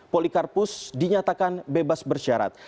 polikarpus dinyatakan bebas bersyarat